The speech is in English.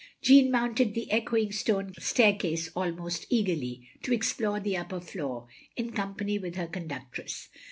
" Jeanne mounted the echoing stone staircase almost eagerly, to explore the upper floor, in com pany with her conductress.